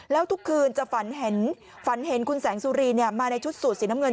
แล้วทุกคืนจะฝันเห็นฝันเห็นคุณแสงสุรีเนี่ยมาในชุดสูดสีน้ำเงิน